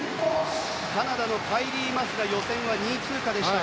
カナダのカイリー・マスは予選、２位通過でした。